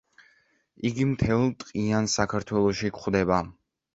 იგი მთელ ტყიან საქართველოში გვხვდება.